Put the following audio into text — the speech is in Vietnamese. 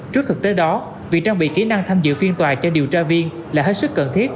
trước thực tế đó việc trang bị kỹ năng tham dự phiên tòa cho điều tra viên là hết sức cần thiết